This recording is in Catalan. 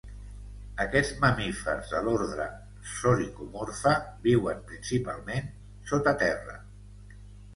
Aquests mamífers de l'ordre Soricomorpha viuen principalment sota terra.